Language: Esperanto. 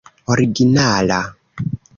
originala